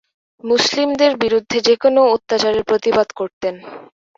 মুসলিমদের বিরুদ্ধে যেকোন অত্যাচারের প্রতিবাদ করতেন।